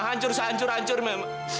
hancur sehancur hancur ma